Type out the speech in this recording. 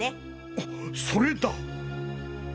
あっそれだ！